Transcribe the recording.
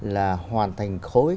là hoàn thành khối